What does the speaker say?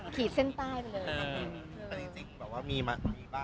ขีดเส้นใต้ไปเลย